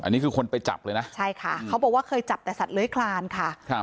อันนี้คือคนไปจับเลยนะใช่ค่ะเขาบอกว่าเคยจับแต่สัตว์เลื้อยคลานค่ะครับ